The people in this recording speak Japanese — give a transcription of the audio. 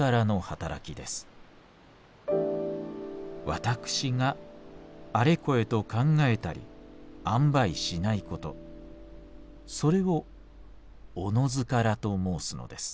私があれこれと考えたり按配しないことそれを『おのずから』と申すのです。